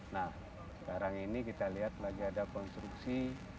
nah sekarang ini kita lihat lagi ada konstruksi